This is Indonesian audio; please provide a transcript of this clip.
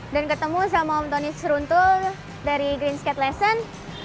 dan ketemu sama om tony seruntul dari green skate lesson